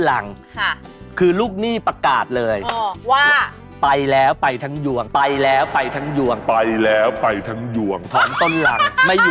มันคือคนไม่รับผิดชอบอะ